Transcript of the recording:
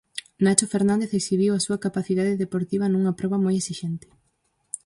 Nacho Fernández exhibiu a súa capacidade deportiva nunha proba moi esixente.